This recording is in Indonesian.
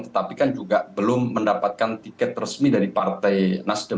tetapi kan juga belum mendapatkan tiket resmi dari golkar